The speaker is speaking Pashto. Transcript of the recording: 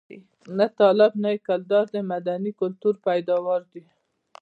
نه طالب او نه یې کردار د مدني کلتور پيداوار دي.